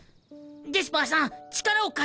デスパーさん力を貸してくれ。